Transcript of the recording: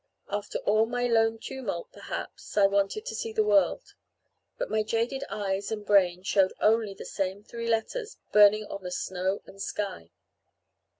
After all my lone tumult, perhaps I wanted to see the world. But my jaded eyes and brain showed only the same three letters burning on the snow and sky.